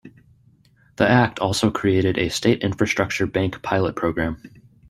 The act also created a State Infrastructure Bank pilot program.